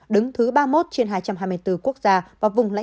đứng thứ ba mươi một trên hai trăm hai mươi bốn quốc gia